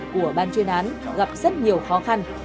của ban chuyên án gặp rất nhiều khó khăn